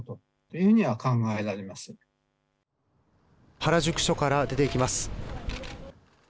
原宿署から出て行きます。